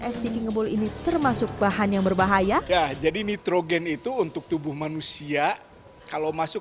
es ciki ngebul ini termasuk bahan yang berbahaya jadi nitrogen itu untuk tubuh manusia kalau masuk